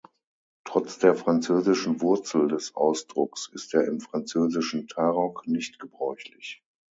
Trotz der französischen Wurzel des Ausdrucks ist er im Französischen Tarock nicht gebräuchlich.